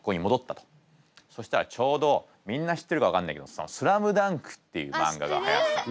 そしたらちょうどみんな知ってるか分かんないけど「ＳＬＡＭＤＵＮＫ」っていう漫画がはやってたの。